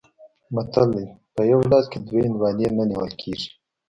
متل دی: په یوه لاس کې دوه هندواڼې نه نیول کېږي.